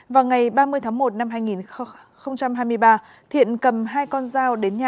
vào ngày ba mươi tháng một năm hai nghìn hai mươi ba thiện cầm hai con dao đến nhà